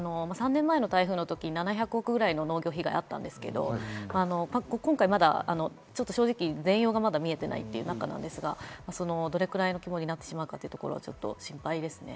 ３年前の台風の時、７００億ぐらいの農業被害があったんですが、今回はまだ正直、全容が見えていない中ですが、どれくらいの規模になってしまうかというところが心配です。